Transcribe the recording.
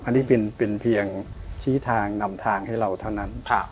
อันนี้เป็นเพียงชี้ทางนำทางให้เราเท่านั้น